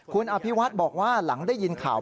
คุณอภิวัฒน์บอกว่าหลังได้ยินข่าว